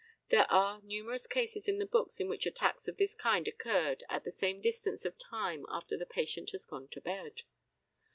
There are numerous cases in the books in which attacks of this kind occurred at the same distance of time after the patient had gone to bed.